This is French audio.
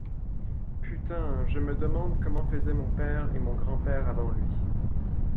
Putain, je me demande comment faisaient mon père, et mon grand-père avant lui.